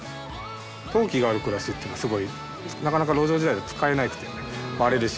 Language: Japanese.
陶器がある暮らしっていうのはすごいなかなか路上時代は使えなくて割れるし。